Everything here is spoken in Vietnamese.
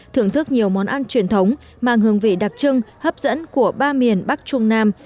thưởng thức nhiều món ăn truyền thống mang hương vị đặc trưng hấp dẫn của ba miền bắc trung nam